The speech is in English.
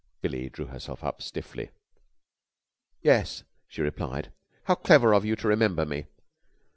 Billie drew herself up stiffly. "Yes," she replied. "How clever of you to remember me."